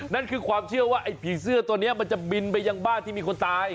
นั่นคือความเชื่อว่าไอ้ผีเสื้อตัวนี้มันจะบินไปยังบ้านที่มีคนตาย